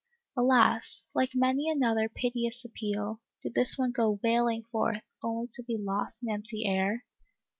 Alas, like many another piteous appeal, did this one go wailing forth, only to be lost in empty air